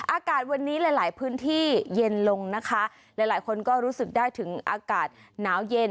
อากาศวันนี้หลายหลายพื้นที่เย็นลงนะคะหลายหลายคนก็รู้สึกได้ถึงอากาศหนาวเย็น